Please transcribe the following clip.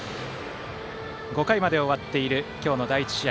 ５回まで終わっている今日の第１試合。